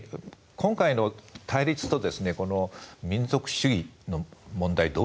今回の対立と民族主義の問題